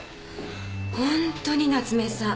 ホントに夏目さん